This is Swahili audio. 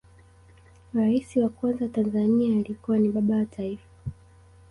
rais wa kwanza wa tanzania alikuwa ni baba wa taifa